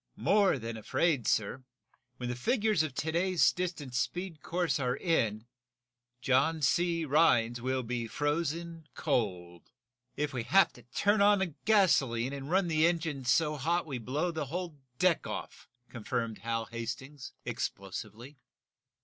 "More than afraid, sir. When the figures of to day's distance speed course are in John C. Rhinds will be frozen cold!" "If we have to turn on gasoline and run the engines so hot we blow the whole deck off!" confirmed Hal Hastings, explosively.